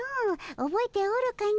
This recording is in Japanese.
おぼえておるかの？